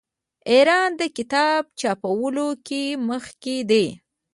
ایران د کتاب چاپولو کې مخکې دی.